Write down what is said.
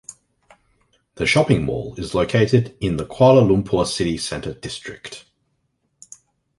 The shopping mall is located in the Kuala Lumpur City Centre district.